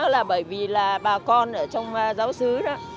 là bởi vì là bà con ở trong giáo sứ đó